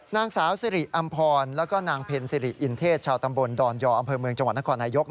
นางสาวสิริอำพรแล้วก็นางเพ็ญสิริอินเทศชาวตำบลดอนยออำเภอเมืองจังหวัดนครนายก